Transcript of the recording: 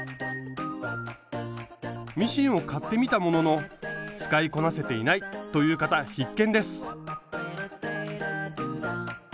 ミシンを買ってみたものの使いこなせていないという方必見です！